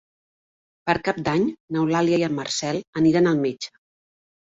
Per Cap d'Any n'Eulàlia i en Marcel aniran al metge.